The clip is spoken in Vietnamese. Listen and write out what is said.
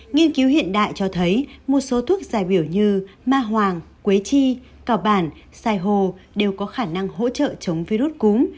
nghiên cứu hiện đại cho thấy một số thuốc giải biểu như ma hoàng quế chi cào bản sai hồ đều có khả năng hỗ trợ chống virus cúng